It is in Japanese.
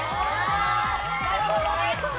なるほどね。